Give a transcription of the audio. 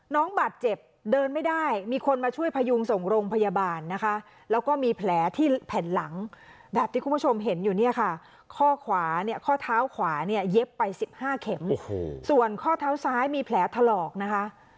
น้องบาดเจ็บเดินไม่ได้มีคนมาช่วยพยุงส่งโรงพยาบาลนะคะแล้วก็มีแผลที่แผ่นหลังแบบที่คุณผู้ชมเห็นอยู่เนี่ยค่ะข้อขวาเนี่ยข้อเท้าขวาเนี่ยเย็บไป๑๕เข็มส่วนข้อเท้าซ้ายมีแผลถลอกนะคะ